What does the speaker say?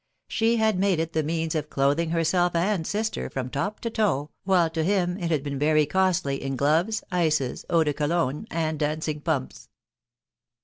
She bad made it die means of clothing herself and sister from top to toe, while to him it had been very costly in gloves, ices, eau de Cologne and dancing pumps.